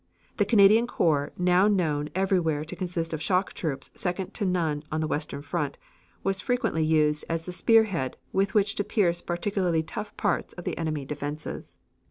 The Canadian corps now known everywhere to consist of shock troops second to none on the western front, was frequently used as the spearhead with which to pierce particularly tough parts of the enemy defenses.